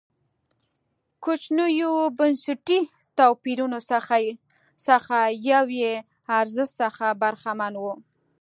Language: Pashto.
کوچنیو بنسټي توپیرونو څخه یو یې ارزښت څخه برخمن و.